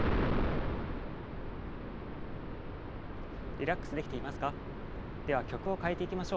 リラックスできていますか？